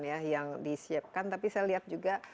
ya yang disiapkan tapi saya lihat juga